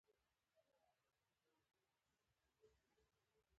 ټنډه يې تروه شوه: سل ګزه لاندې دي.